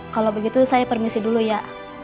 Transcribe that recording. kalau begitu saya permisi dulu ya